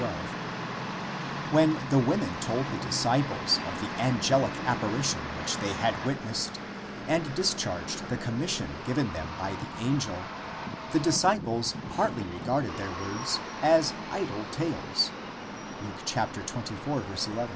12); when the women told the disciples of the angelic appari tion which they had witnessed, and discharged the commission given them by the angel, the disciples partly regarded their words as id/e tales, λῆρος (Luke xxiv.